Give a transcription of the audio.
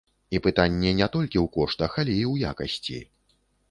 І пытанне не толькі ў коштах, але і ў якасці!